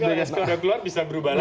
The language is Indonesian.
kalau sk sudah keluar bisa berubah lagi